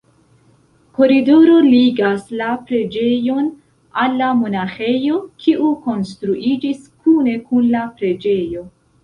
Koridoro ligas la preĝejon al la monaĥejo, kiu konstruiĝis kune kun la preĝejo.